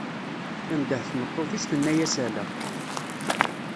tendeh tmeṭṭut-is tenna-as ala.